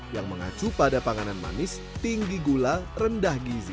yang mengacu pada panganan manis tinggi gula rendah gizi